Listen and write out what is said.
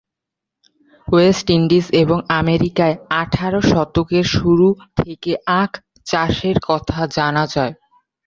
West Indies এবং আমেরিকায় আঠারো শতকের শুরু থেকে আখ চাষের কথা জানা যায়।